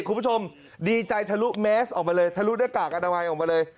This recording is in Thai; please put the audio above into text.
คุณผู้ชมดีใจทะลุแมสออกมาเลยทะลุหน้ากากอนามัยออกมาเลย